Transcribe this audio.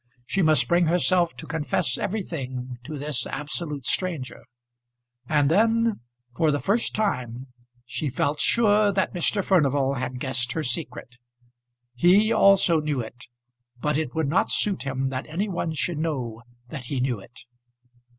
She must bring herself to confess everything to this absolute stranger. And then for the first time she felt sure that Mr. Furnival had guessed her secret. He also knew it, but it would not suit him that any one should know that he knew it!